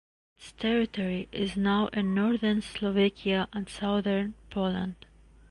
Its territory is now in northern Slovakia and southern Poland.